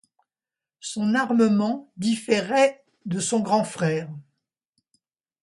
Son armement différait de son grand frère.